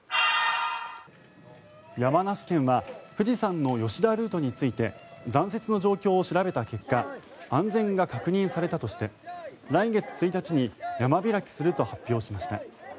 山梨県は富士山の吉田ルートについて残雪の状況を調べた結果安全が確認されたとして来月１日に山開きすると発表しました。